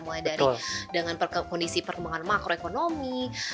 mulai dari dengan kondisi perkembangan makroekonomi